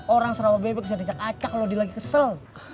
orang sarawa bebek bisa dicak acak kalau dia lagi kesel